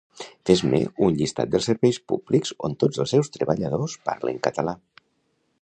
Fes-me un llistat dels Serveis Públics on tots els seus treballadors parlen català